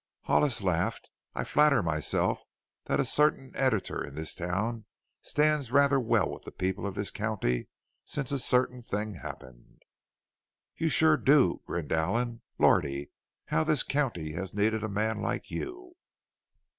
Hollis laughed. "I flatter myself that a certain editor in this town stands rather well with the people of this county since a certain thing happened." "You sure do!" grinned Allen. "Lordy! how this county has needed a man like you!"